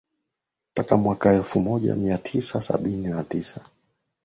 mpaka mwaka elfu moja mia tisa sabini na tisa